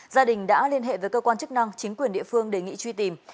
gia đình đã liên hệ với cơ quan chức năng chính quyền địa phương đề nghị truy tìm